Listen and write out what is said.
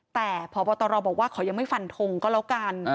แต่พบตรบอกว่าขอยังไม่ฟันทงก็แล้วกัน